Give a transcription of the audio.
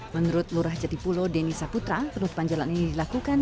menurut kelurahan jati pulo deni saputra penutupan jalan ini dilakukan